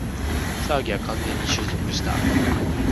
騒ぎは完全に収束した